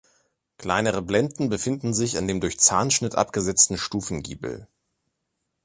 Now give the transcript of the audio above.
Kleinere Blenden befinden sich an dem durch Zahnschnitt abgesetzten Stufengiebel.